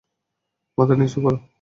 মাথা নিচু কর!